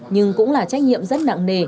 nhưng cũng là trách nhiệm rất nặng nề